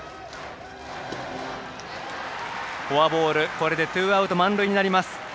フォアボールこれでツーアウト満塁になります。